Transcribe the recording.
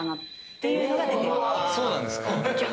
そうなんですか？